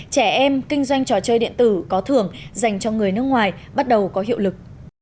trẻ em kinh doanh trò chơi điện tử có thưởng dành cho người nước ngoài bắt đầu có hiệu lực